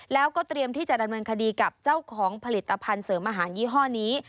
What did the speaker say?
แล้วก็เตรียมที่จะดำเนินคดีกับเจ้าของผลิตภัณฑ์เสริมอาหารยี่ห้อนี้